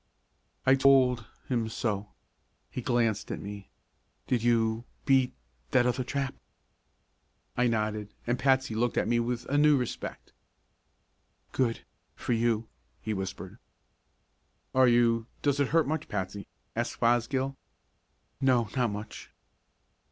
I told him so." He glanced at me: "Did you beat that other chap?" I nodded and Patsy looked at me with a new respect. "Good for you," he whispered. "Are you does it hurt much, Patsy?" asked Fosgill. "No, not much."